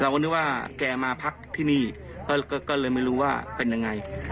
นึกว่าแกมาพักที่นี่ก็เลยไม่รู้ว่าเป็นยังไง